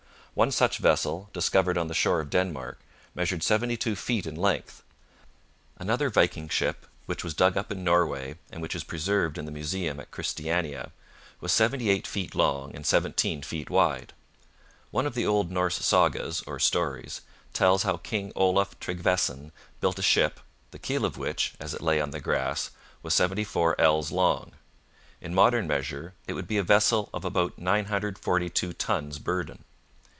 One such vessel, discovered on the shore of Denmark, measured 72 feet in length. Another Viking ship, which was dug up in Norway, and which is preserved in the museum at Christiania, was 78 feet long and 17 feet wide. One of the old Norse sagas, or stories, tells how King Olaf Tryggvesson built a ship, the keel of which, as it lay on the grass, was 74 ells long; in modern measure, it would be a vessel of about 942 tons burden.